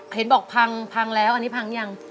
เห็นบอกพังพังแล้วอันนี้พังยัง